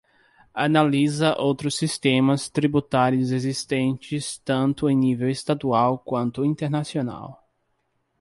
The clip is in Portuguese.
Analisa outros sistemas tributários existentes tanto em nível estadual quanto internacional.